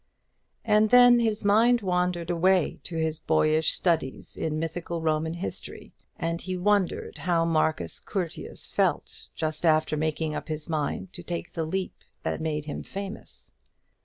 And then his mind wandered away to his boyish studies in mythical Roman history; and he wondered how Marcus Curtius felt just after making up his mind to take the leap that made him famous.